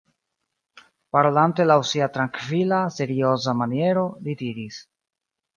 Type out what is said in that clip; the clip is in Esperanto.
Parolante laŭ sia trankvila, serioza maniero, li diris: